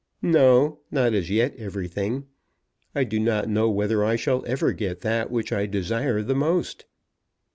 "No, not as yet everything. I do not know whether I shall ever get that which I desire the most."